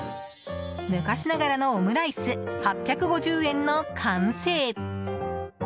昔ながらのオムライス８５０円の完成。